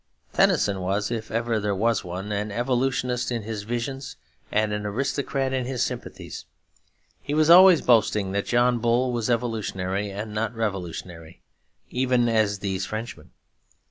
Tennyson was, if ever there was one, an evolutionist in his vision and an aristocrat in his sympathies. He was always boasting that John Bull was evolutionary and not revolutionary, even as these Frenchmen.